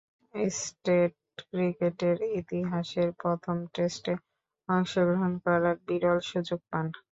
Test ক্রিকেটের ইতিহাসের প্রথম টেস্টে অংশগ্রহণ করার বিরল সুযোগ পান।